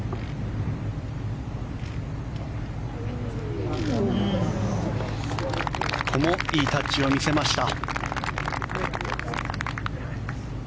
ここもいいタッチを見せました。